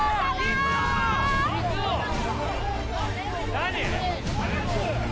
・何？